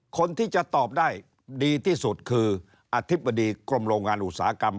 คนที่จะตอบได้ดีที่สุดคืออธิบดีกรมโรงงานอุตสาหกรรม